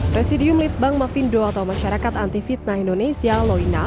presidium litbang mafindo atau masyarakat anti fitnah indonesia loina